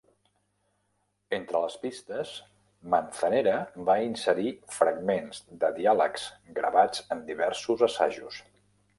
Entre les pistes, Manzanera va inserir fragments de diàlegs gravats en diversos assajos.